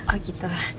oh gitu lah